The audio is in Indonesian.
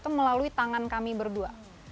itu melalui tangan kami berdua